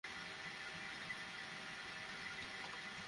Guitar নিয়ে টুং টাং করেন, মাঝে মধ্যে নিজেই গান লেখেন, সুর করেন।